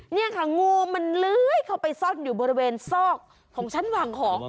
เนี่ยค่ะงูมันเลยเข้าไปซอกมาอยู่บริเวณศอกของชั้นหวังของ